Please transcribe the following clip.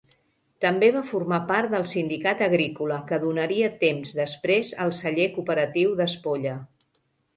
També va formar part del Sindicat Agrícola, que donaria temps després el Celler Cooperatiu d'Espolla.